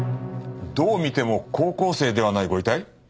どう見ても高校生ではないご遺体？